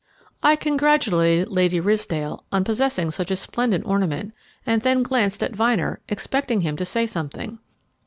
I congratulated Lady Ridsdale on possessing such a splendid ornament, and then glanced at Vyner, expecting him to say something.